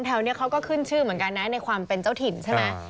เขาก็ขึ้นชื่อเหมือนกันนะในความเป็นเจ้าถิ่นใช่ไหม